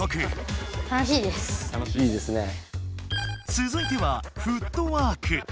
つづいては「フットワーク」。